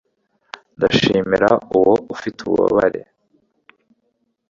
Ndashimira uwo ufite ububabare